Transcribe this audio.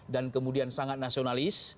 dan kemudian sangat nasionalis